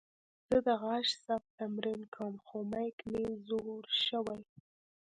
زه د غږ ثبت تمرین کوم، خو میک مې زوړ شوې.